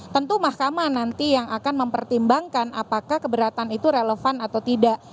tentu mahkamah nanti yang akan mempertimbangkan apakah keberatan itu relevan atau tidak